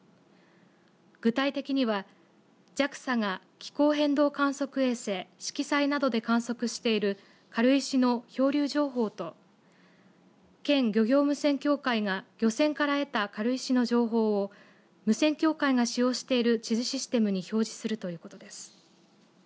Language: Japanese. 具体的にはＪＡＸＡが気候変動観測衛星しきさいなどで観測している軽石の漂流情報と県漁業無線協会が漁船から得た軽石の情報を無線協会が使用している地図システムに表示するということです。